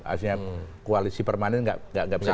aslinya koalisi permanen gak bisa diterapkan